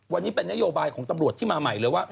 วันนี้เป็นนโยบายของตำรวจที่มาใหม่เลยว่า